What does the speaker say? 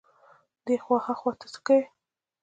دې خوا ها خوا ته يې څکوي.